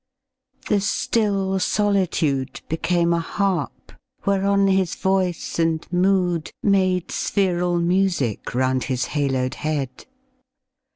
The still solitude Became a harp whereon his voice and mood Made spheral music round his haloed head.